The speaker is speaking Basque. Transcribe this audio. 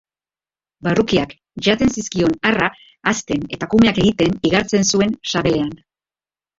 Barrukiak jaten zizkion harra hazten eta kumeak egiten igartzen zuen sabelean.